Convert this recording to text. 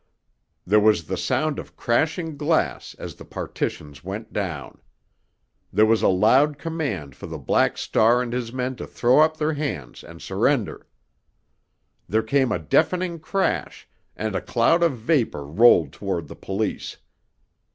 There was the sound of crashing glass as the partitions went down. There was a loud command for the Black Star and his men to throw up their hands and surrender. There came a deafening crash, and a cloud of vapor rolled toward the police.